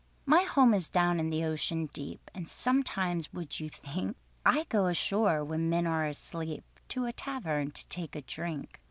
"My home is down in the Ocean deep, And sometimes—would you think? I go ashore when men are asleep To a tavern to take a drink.